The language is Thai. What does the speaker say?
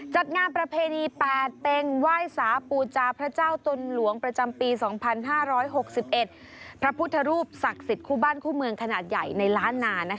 จัดงานประเพณี๘เป็งไหว้สาปูจาพระเจ้าตุลหลวงประจำปี๒๕๖๑พระพุทธรูปศักดิ์สิทธิ์คู่บ้านคู่เมืองขนาดใหญ่ในล้านนา